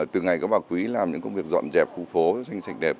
từ ngày có bà quý làm những công việc dọn dẹp khu phố xanh sạch đẹp